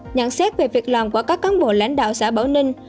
nhận xét về việc làm của các cán bộ lãnh đạo xã bảo ninh